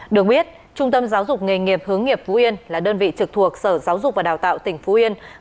được biết trung tâm giáo dục nghề nghiệp hướng nghiệp phú yên là đơn vị trực thuộc sở giáo dục và đào tạo tỉnh phú yên